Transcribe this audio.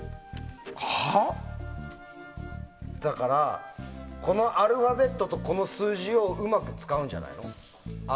だから、このアルファベットとこの数字をうまく使うんじゃないの？